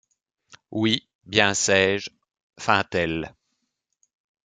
Oui, bien saige, feit-elle.